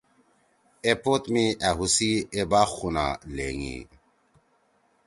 اے پوت می أ ہُوسی اے باغ خونہ لھینگی۔